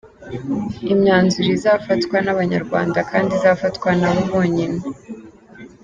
Imyanzuro izafatwa n’Abanyarwanda kandi izafatwa nabo bonyine.